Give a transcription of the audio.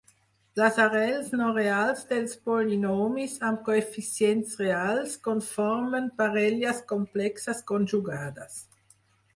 Les arrels no reals dels polinomis amb coeficients reals conformen parelles complexes conjugades.